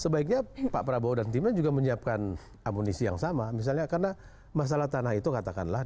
bagaimana juga menyiapkan amunisi yang sama misalnya karena masalah tanah itu katakanlah